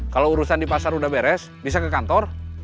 kalau urusan di pasar udah beres bisa ke kantor